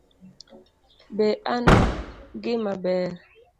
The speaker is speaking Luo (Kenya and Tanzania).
Be an gima ber